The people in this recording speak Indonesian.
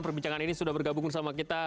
perbincangan ini sudah bergabung bersama kita